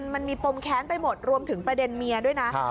มันมีปมแค้นไปหมดรวมถึงประเด็นเมียด้วยนะ